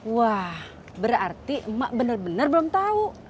wah berarti emak benar benar belum tahu